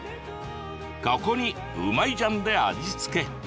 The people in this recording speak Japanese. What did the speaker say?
ここに、うまい醤で味付け。